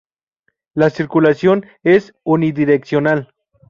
La circulación es unidireccional.